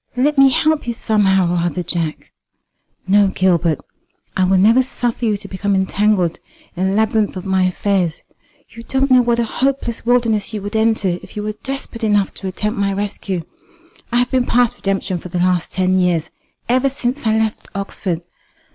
"Let me help you somehow or other, Jack." "No, Gilbert; I will never suffer you to become entangled in the labyrinth of my affairs. You don't know what a hopeless wilderness you would enter if you were desperate enough to attempt my rescue. I have been past redemption for the last ten years, ever since I left Oxford.